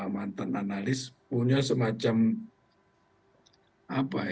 mantan analis punya semacam apa ya